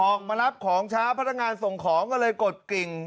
ออกมารับของช้าพนักงานส่งของก็เลยกดกริ่ง